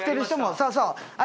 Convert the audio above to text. そうそう